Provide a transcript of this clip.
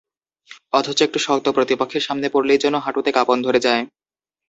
অথচ একটু শক্ত প্রতিপক্ষের সামনে পড়লেই যেন হাঁটুতে কাঁপন ধরে যায়।